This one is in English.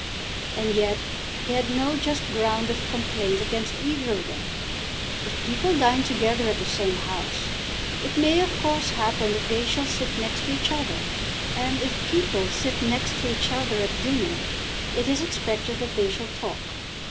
And yet he had no just ground of complaint against either of them. If people dine together at the same house, it may of course happen that they shall sit next to each other. And if people sit next to each other at dinner, it is expected that they shall talk.